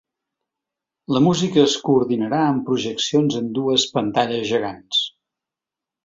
La música es coordinarà amb projeccions en dues pantalles gegants.